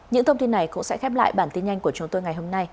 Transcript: những thông tin này cũng sẽ khép lại bản tin nhanh của chúng tôi ngày hôm nay